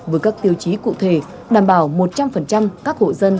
với các tiêu chí cụ thể đảm bảo một trăm linh các hộ dân